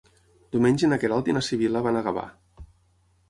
Diumenge na Queralt i na Sibil·la van a Gavà.